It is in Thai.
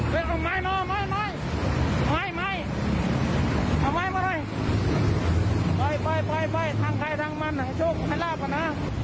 ไปไปไปไปทางไทยทางมันให้ช่วงให้ราบกันนะ